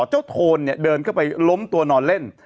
โทนเนี่ยเดินเข้าไปล้มตัวนอนเล่น